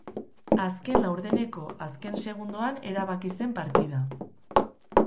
Azken laurdeneko azken segundoan erabaki zen partida.